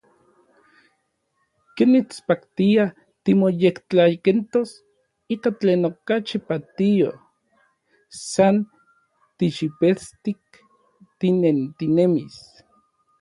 Ken mitspaktia timoyektlakentos ika tlen okachi patio, san tixipestik tinentinemis.